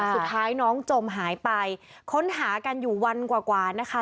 สุดท้ายน้องจมหายไปค้นหากันอยู่วันกว่านะคะ